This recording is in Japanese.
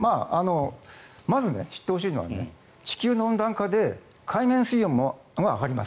まず知ってほしいのは地球の温暖化で海水温が上がります。